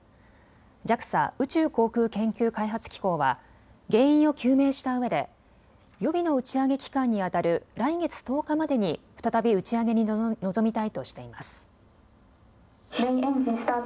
ＪＡＸＡ・宇宙航空研究開発機構は原因を究明したうえで予備の打ち上げ期間にあたる来月１０日までに再び打ち上げに臨みたいとしています。